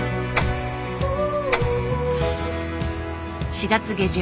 ４月下旬。